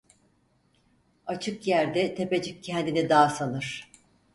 Açık yerde tepecik kendini dağ sanır.